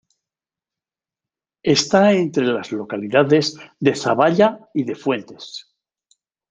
Está entre las localidades de Zavalla y de Fuentes.